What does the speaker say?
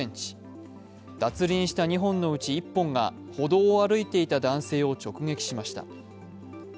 脱輪した２本のうち１本が歩道を歩いていた男性を直撃しました。